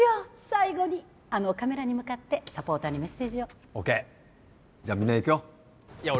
最後にあのカメラに向かってサポーターにメッセージをＯＫじゃあみんないくよいや